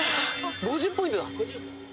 ５０ポイントだ